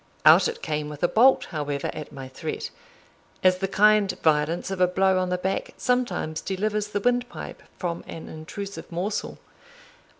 Out it came with a bolt, however, at my threat; as the kind violence of a blow on the back sometimes delivers the windpipe from an intrusive morsel.